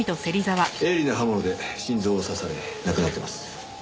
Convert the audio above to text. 鋭利な刃物で心臓を刺され亡くなっています。